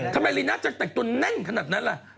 ทำไมนรินัทจะแตกจนแน่งขนาดนั้นน่ะ